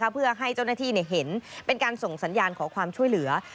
เพื่อให้เจ้าหน้าที่เห็นเป็นการส่งสัญญาณขอความช่วยเหลือ